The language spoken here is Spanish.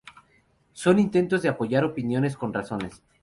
Son intentos de apoyar opiniones con razones.